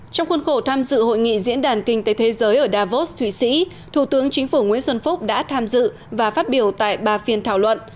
trong khuôn khổ tham dự hội nghị diễn đàn kinh tế thế giới ở davos thụy sĩ thủ tướng chính phủ nguyễn xuân phúc đã tham dự và phát biểu tại ba phiên thảo luận